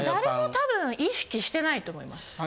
誰も多分意識してないと思います。